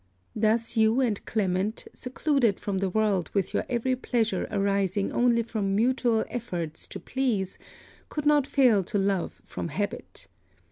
Thus you and Clement, secluded from the world with your every pleasure arising only from mutual efforts to please, could not fail to love from habit.